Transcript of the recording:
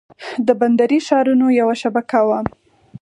د بندري ښارونو یوه شبکه وه.